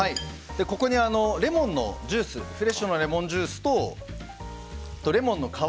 ここにレモンのジュースフレッシュのレモンジュースとレモンの皮。